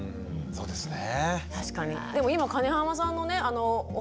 そうですね。